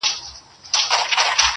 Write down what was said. اوس هم زما د وجود ټوله پرهرونه وايي.